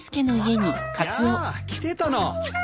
やあ来てたの。